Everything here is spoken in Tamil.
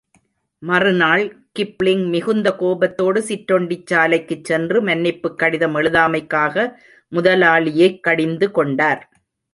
மறுநாள் கிப்ளிங், மிகுந்த கோபத்தோடு சிற்றுண்டிச் சாலைக்குச் சென்று, மன்னிப்புக் கடிதம் எழுதாமைக்காக முதலாளியைக் கடிந்து கொண்டார்.